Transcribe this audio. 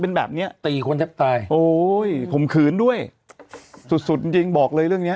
ตีคนแทบตายโอ้ยผมขืนด้วยสุดสุดจริงจริงบอกเลยเรื่องเนี้ย